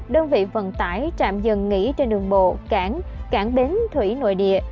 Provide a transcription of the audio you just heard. đơn vị vận tải trạm dừng nghỉ trên đường bộ cảng cảng bến thủy nội địa